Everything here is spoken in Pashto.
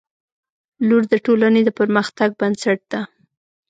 • لور د ټولنې د پرمختګ بنسټ ده.